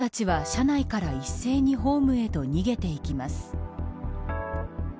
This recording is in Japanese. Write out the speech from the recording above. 乗客たちは車内から一斉にホームへと逃げていきます。